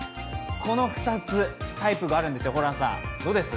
この２つ、タイプがあるんですよ、ホランさん、どうです？